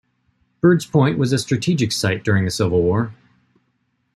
Bird's Point was a strategic site during the Civil War.